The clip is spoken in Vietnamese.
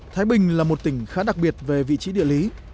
thái bình là một tỉnh khá đặc biệt về vị trí địa lý